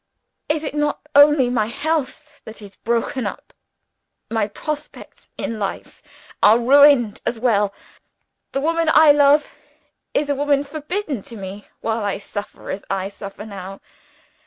It is not only my health that is broken up, my prospects in life are ruined as well. The woman I love is a woman forbidden to me while I suffer as I suffer now.